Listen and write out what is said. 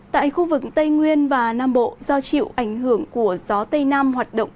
tại khu vực tây nguyên và nam bộ do chịu ảnh hưởng của gió tây nam hoạt động